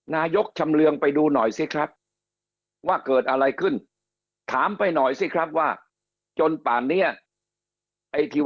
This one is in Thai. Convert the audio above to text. นายกชำเรืองไปดูหน่อยสิครับว่าเกิดอะไรขึ้นถามไปหน่อยสิครับว่าจนป่านนี้ไอทีว